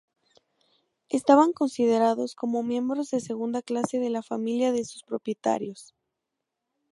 Estaban considerados como miembros de segunda clase de la familia de sus propietarios.